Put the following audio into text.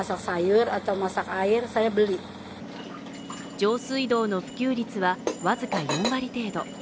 上水道の普及率はわずか４割程度。